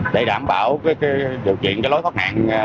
để đảm bảo điều chuyện lối thoát nạn